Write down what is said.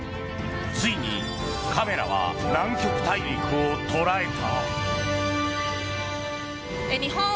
ついにカメラは南極大陸を捉えた。